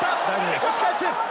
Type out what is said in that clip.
押し返す。